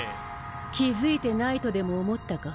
気付いてないとでも思ったか？